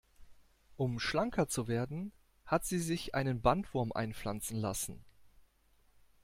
Um schlanker zu werden, hat sie sich einen Bandwurm einpflanzen lassen.